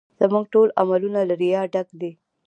زموږ ټول عملونه له ریا ډک دي